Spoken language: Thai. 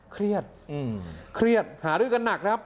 เครียดเพื่อหารุกกันหนักครับ